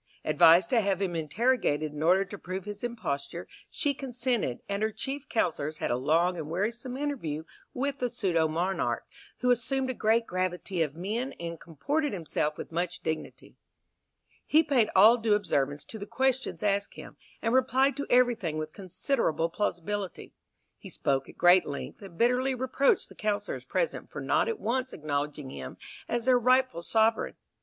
Advised to have him interrogated in order to prove his imposture, she consented, and her chief counsellors had a long and wearisome interview with the pseudo monarch, who assumed a great gravity of mien and comported himself with much dignity; he paid all due observance to the questions asked him, and replied to everything with considerable plausibility. He spoke at great length, and bitterly reproached the counsellors present for not at once acknowledging him as their rightful sovereign.